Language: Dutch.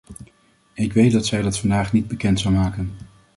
Ik weet dat zij dat vandaag niet bekend zal maken.